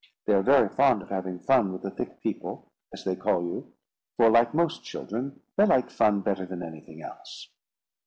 They are very fond of having fun with the thick people, as they call you; for, like most children, they like fun better than anything else."